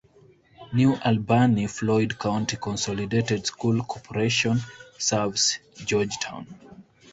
New Albany-Floyd County Consolidated School Corporation serves Georgetown.